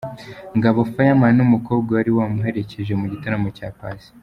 Ngabo Fireman n'umukobwa wari wamuherekeje mu gitaramo cya Paccy.